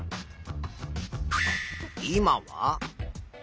今は？